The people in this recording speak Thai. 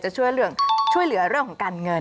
ช่วยเหลือเรื่องของการเงิน